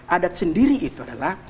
adat sendiri itu adalah